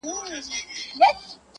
د گران صفت كومه.